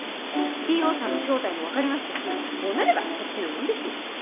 Ｔ・Ｏさんの正体も分かりましたしこうなればこっちのもんですよ。